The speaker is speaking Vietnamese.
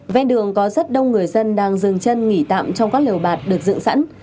về đường có rất đông người dân đang dừng chân nghỉ tạm trong các lều bạc được dựng sẵn